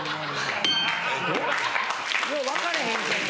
よう分からへんけど。